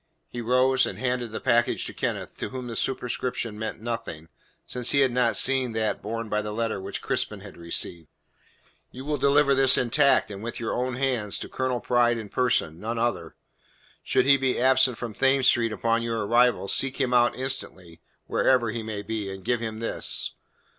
He rose and handed the package to Kenneth, to whom the superscription meant nothing, since he had not seen that borne by the letter which Crispin had received. "You will deliver this intact, and with your own hands, to Colonel Pride in person none other. Should he be absent from Thames Street upon your arrival, seek him out instantly, wherever he may be, and give him this.